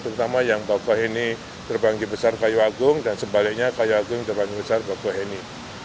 terutama yang bakal ini terbagi besar kayu agung dan sebaliknya kayu agung terbagi besar bakal ini